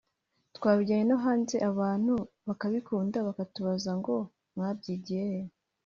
twayijyana no hanze abantu bakabikunda bakatubaza ngo ‘mwabyigiye he’